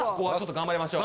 頑張りましょう。